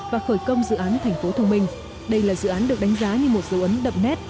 và khởi công dự án thành phố thông minh đây là dự án được đánh giá như một dấu ấn đậm nét